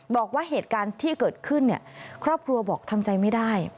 บอกว่าเหตุการณ์ที่เกิดขึ้นครอบครัวบอกทำใจไม่ได้